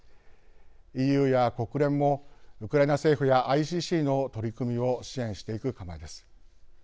ＥＵや国連も、ウクライナ政府やＩＣＣの取り組みを支援していく構えです。